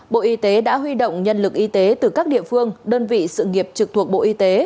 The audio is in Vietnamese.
bộ y tế đã huy động nhân lực y tế từ các địa phương đơn vị sự nghiệp trực thuộc bộ y tế